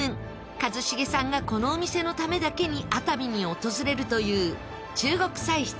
一茂さんがこのお店のためだけに熱海に訪れるという中国菜室